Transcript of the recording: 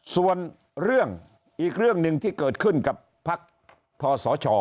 ส่วนเรื่องอีกเรื่องหนึ่งที่เกิดขึ้นกับพักทศช